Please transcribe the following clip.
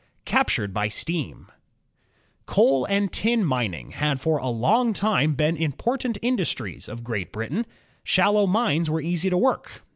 ^ Captured by Steam Coal and tin mining had for a long time been im portant industries of Great Britain. Shallow mines were easy to work.